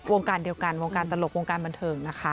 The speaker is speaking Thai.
วงการเดียวกันวงการตลกวงการบันเทิงนะคะ